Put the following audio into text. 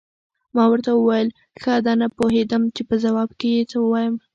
ما ورته وویل: ښه ده، نه پوهېدم چې په ځواب کې یې څه ووایم.